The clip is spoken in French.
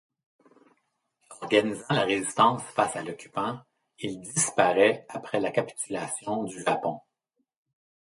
Organisant la résistance face à l'occupant, il disparaît après la capitulation du Japon.